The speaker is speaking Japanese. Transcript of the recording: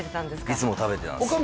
いつも食べてたんです